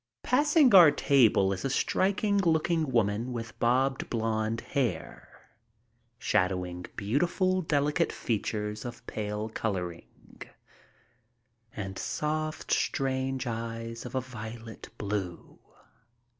Passing our table is a striking looking girl with bobbed blond hair, shadowing beautiful, delicate features of pale coloring and soft, strange eyes of a violet blue.